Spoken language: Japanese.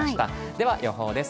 では予報です。